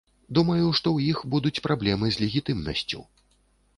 Думаю, што ў іх будуць праблемы з легітымнасцю.